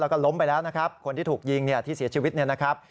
แล้วก็ล้มไปแล้วนะครับคนที่ถูกยิงเนี่ยที่เสียชีวิตเนี่ยนะครับ